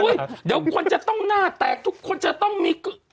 เดี๋ยวคนจะต้องหน้าแตกทุกคนจะต้องมี